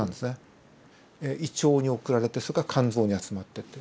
胃腸に送られてそれから肝臓に集まってって。